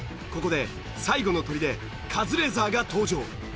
ここで最後の砦カズレーザーが登場。